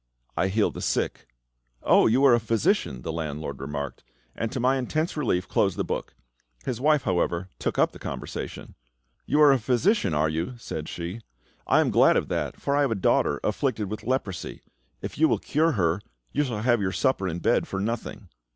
"I heal the sick." "Oh! you are a physician," the landlord remarked; and to my intense relief closed the book. His wife, however, took up the conversation. "You are a physician, are you?" said she; "I am glad of that, for I have a daughter afflicted with leprosy. If you will cure her, you shall have your supper and bed for nothing."